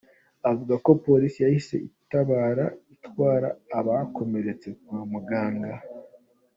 Avuga ko polisi yahise itabara, itwara abakomeretse kwa muganga.